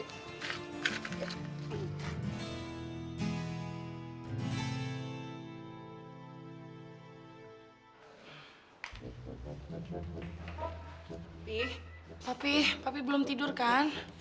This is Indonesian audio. tapi tapi tapi belum tidur kan